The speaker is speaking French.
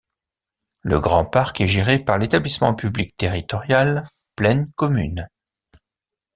Le Grand Parc est géré par l'établissement public territorial Plaine Commune.